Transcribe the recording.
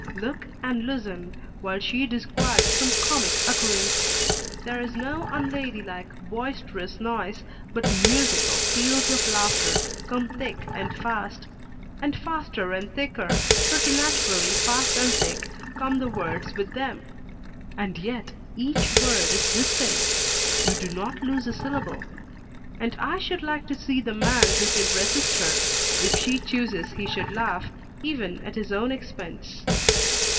Look and listen, while she describes some comic occurrence. There is no unladylike, boisterous noise, but musical peals of laughter come thick and fast; and faster and thicker, preternaturally fast and thick, come the words with them. And yet each word is distinct; you do not lose a syllable. And I should like to see the man who can resist her, if she chooses he should laugh, even at his own expense.